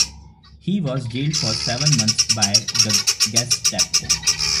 He was jailed for seven months by the Gestapo.